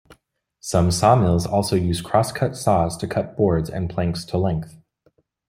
Some sawmills also use crosscut saws to cut boards and planks to length.